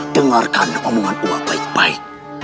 dengarkan omongan uang baik baik